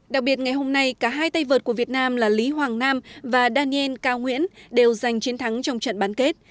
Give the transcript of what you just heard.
đặc biệt ngày hôm nay cả hai tay vợt của việt nam là lý hoàng nam và daniel cao nguyễn đều giành chiến thắng trong trận bán kết